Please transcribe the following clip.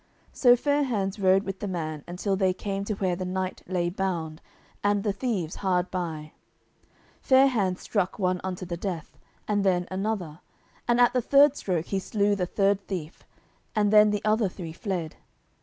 So Fair hands rode with the man until they came to where the knight lay bound, and the thieves hard by. Fair hands struck one unto the death, and then another, and at the third stroke he slew the third thief; and then the other three fled.